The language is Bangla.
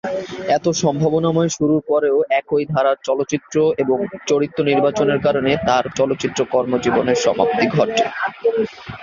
এত সম্ভাবনাময় শুরুর পরও একই ধারার চলচ্চিত্র ও চরিত্র নির্বাচনের কারণে তার চলচ্চিত্র কর্মজীবনের সমাপ্তি ঘটে।